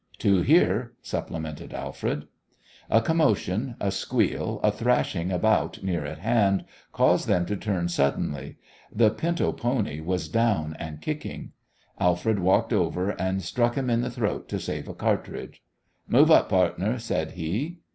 "Two here," supplemented Alfred. A commotion, a squeal, a thrashing about near at hand caused both to turn suddenly. The pinto pony was down and kicking. Alfred walked over and stuck him in the throat to save a cartridge. "Move up, pardner," said he.